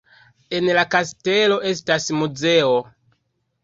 En la kastelo estas muzeo.